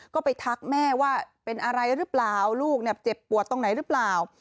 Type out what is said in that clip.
ก็ไปทักแม่ว่าเป็นอะไรหรือเปล่าลูกเจ็บปวดตรงไหนหรือเปล่า